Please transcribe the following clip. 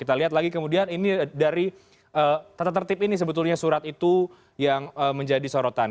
jadi kemudian ini dari tata tertib ini sebetulnya surat itu yang menjadi sorotan